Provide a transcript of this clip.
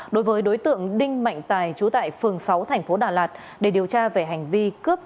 đối với đối tượng đinh mạnh tài chú tại phường sáu tp đà lạt để điều tra về hành vi cướp